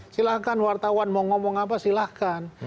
silahkan wartawan mau ngomong apa silahkan